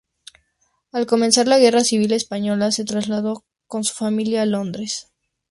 Al comenzar la Guerra Civil Española se trasladó con su familia a Londres.